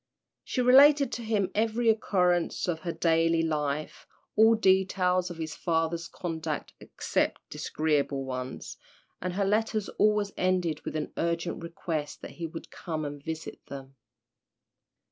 She related to him every occurrence of her daily life, all details of his father's conduct except disagreeable ones, and her letters always ended with an urgent request that he would come and visit them.